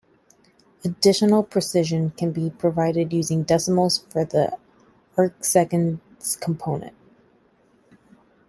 Additional precision can be provided using decimals for the arcseconds component.